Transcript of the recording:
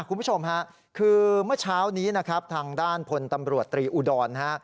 คุณผู้ชมค่ะคือเมื่อเช้านี้ทางด้านผลตำรวจตรีอุดร